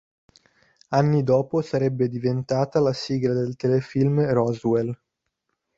Anni dopo sarebbe diventata la sigla del telefilm "Roswell".